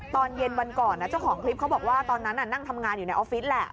ตอนเย็นวันก่อนเจ้าของคลิปเขาบอกว่าตอนนั้นนั่งทำงานอยู่ในออฟฟิศแหละ